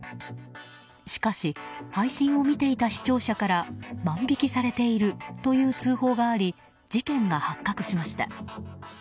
しかし配信を見ていた視聴者から万引きされているという通報があり、事件が発覚しました。